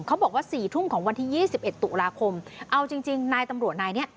ของวันที่๒๑ตุลาคมเอาจริงนายตำรวจนายเนี่ย